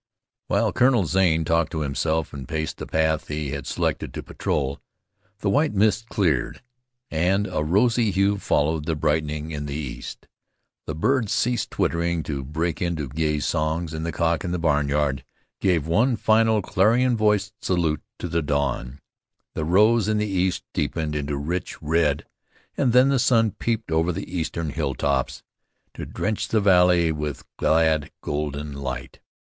While Colonel Zane talked to himself and paced the path he had selected to patrol, the white mists cleared, and a rosy hue followed the brightening in the east. The birds ceased twittering to break into gay songs, and the cock in the barnyard gave one final clarion voiced salute to the dawn. The rose in the east deepened into rich red, and then the sun peeped over the eastern hilltops to drench the valley with glad golden light.